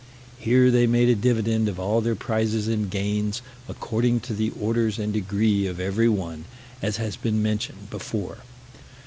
Here they made a dividend of all their prizes and gains, according to the orders and degree of every one, as has been mentioned before.